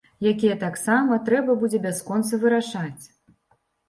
Якія таксама трэба будзе бясконца вырашаць.